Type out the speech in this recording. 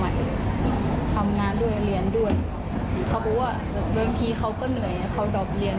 ว่าเขากลับมาเรียนกลับมาเรียนไงเข้าก็ก็มาเรียน